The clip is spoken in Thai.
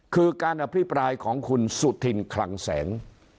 คือการอภิปรายของคุณสุธินคลังแสง